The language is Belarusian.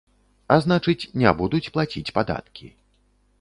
А значыць, не будуць плаціць падаткі.